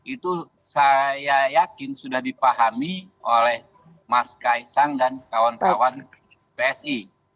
itu saya yakin sudah dipahami oleh mas kaisang dan kawan kawan psi